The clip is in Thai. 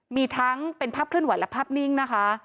มีทั้งเป็นภาพเคลื่อนไหวและภาพนิ่งนะคะ